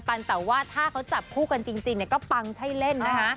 แต่ว่าถ้าเขาจับคู่กันจริงก็ปังใช่เล่นนะคะ